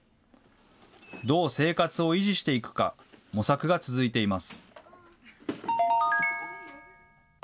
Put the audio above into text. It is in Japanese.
どう生活を維持していくか、模索が続いています。